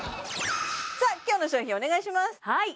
さあ今日の商品お願いします